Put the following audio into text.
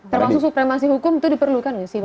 termasuk supremasi hukum itu diperlukan ya sih pak